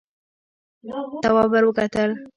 تواب ور وکتل.